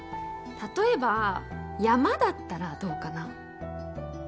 例えば山だったらどうかな？